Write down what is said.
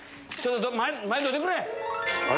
前どいてくれ！